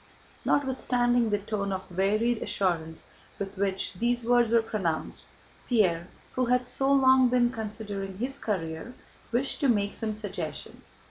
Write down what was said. Notwithstanding the tone of wearied assurance with which these words were pronounced, Pierre, who had so long been considering his career, wished to make some suggestion.